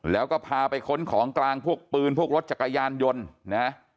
แล้วก็พาไปค้นของกลางพวกปืนพวกรถจักรยานยนต์นะ